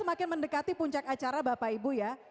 makin mendekati puncak acara bapak ibu ya